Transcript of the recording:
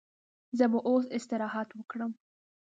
زه به اوس استراحت وکړم.